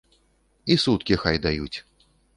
І суткі хай даюць.